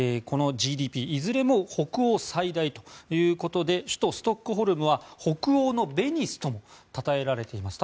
いずれも北欧最大ということで首都ストックホルムは北欧のベニスともたたえられています。